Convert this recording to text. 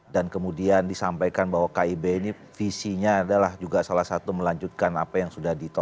dan kemudian disampaikan bahwa kib ini visinya adalah juga salah satu melanjutkan apa yang sudah ditolak